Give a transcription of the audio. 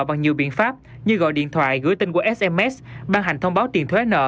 bằng nhiều biện pháp như gọi điện thoại gửi tin qua sms ban hành thông báo tiền thuế nợ